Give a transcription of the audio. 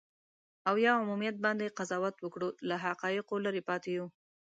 او یا عمومیت باندې قضاوت وکړو، له حقایقو لرې پاتې یو.